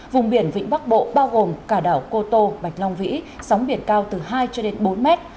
vùng biển vịnh bắc bộ bao gồm cả đảo cô tô bạch long vĩ sóng biển cao từ hai cho đến bốn mét